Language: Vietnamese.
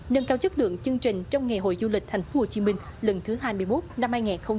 nâng cao chất lượng chương trình trong ngày hội du lịch thành phố hồ chí minh lần thứ hai mươi một năm hai nghìn hai mươi năm